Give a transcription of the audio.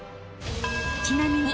［ちなみに］